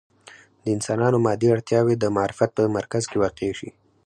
د انسانانو مادي اړتیاوې د معرفت په مرکز کې واقع شي.